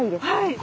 はい。